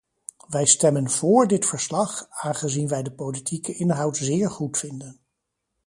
Wij stemmen vóór dit verslag, aangezien wij de politieke inhoud zeer goed vinden.